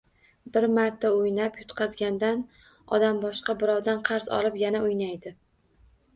Bir marta oʻynab yutqazgandan odam boshqa birovdan qarz olib yana oʻynaydi.